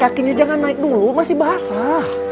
kakinya jangan naik dulu masih basah